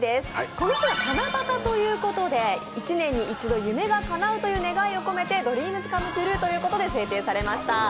この日は七夕ということで、１年に一度「夢がかなう」ということでＤＲＥＡＭＳＣＯＭＥＴＲＵＥということで制定されました。